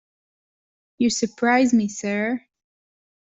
You surprise me, sir.